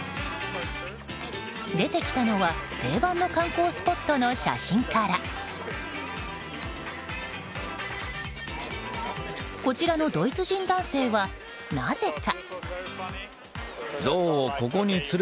出てきたのは定番の観光スポットの写真からこちらのドイツ人男性はなぜか。